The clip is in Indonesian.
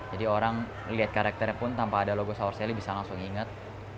jadi orang melihat karakternya pun tanpa ada logo sourcelli bisa langsung inget